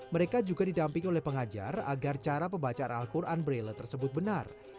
mereka juga didampingi oleh pengajar agar cara pembacaan al quran braille tersebut benar